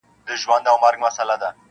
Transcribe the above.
انسانان به وي اخته په بدو چارو -